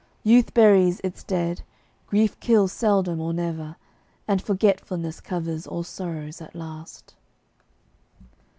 Youth buries its dead; grief kills seldom or never, And forgetfulness covers all sorrows at last.